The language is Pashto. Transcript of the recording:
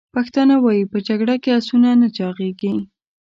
پښتانه وایي: « په جګړه کې اسونه نه چاغیږي!»